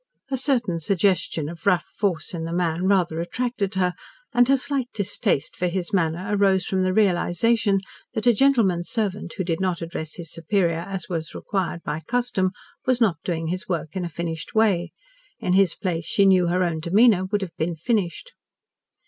A certain suggestion of rough force in the man rather attracted her, and her slight distaste for his manner arose from the realisation that a gentleman's servant who did not address his superiors as was required by custom was not doing his work in a finished way. In his place she knew her own demeanour would have been finished.